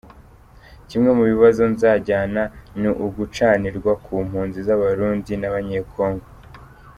Kimwe mu bibazo nzajyana ni ugucanirwa ku mpunzi z’Abarundi n’Abanyecongo.